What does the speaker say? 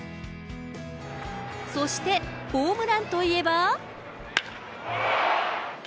そしてホームランといえば。